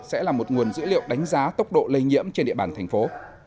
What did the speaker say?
sẽ là một nguồn dữ liệu đánh giá tốc độ lây nhiễm trên địa bàn thành phố